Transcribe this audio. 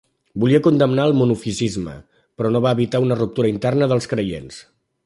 Volia condemnar el monofisisme, però no va evitar una ruptura interna dels creients.